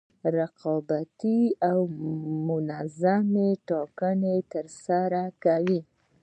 رقابتي او منظمې ټاکنې ترسره کوي.